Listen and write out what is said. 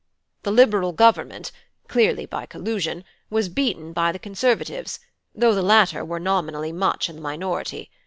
"The Liberal Government (clearly by collusion) was beaten by the Conservatives, though the latter were nominally much in the minority.